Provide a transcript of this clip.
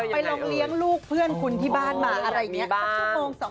ไปลองเลี้ยงลูกเพื่อนคุณที่บ้านมาอะไรแบบนี้